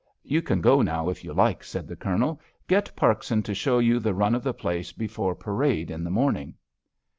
"You can go now, if you like," said the Colonel. "Get Parkson to show you the run of the place before parade in the morning."